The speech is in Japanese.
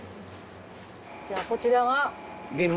じゃあこちらが。